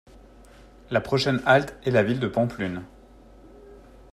La prochaine halte est la ville de Pampelune.